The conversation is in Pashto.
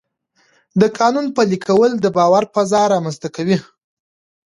د قانون پلي کول د باور فضا رامنځته کوي